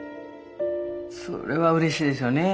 それはうれしいですよね。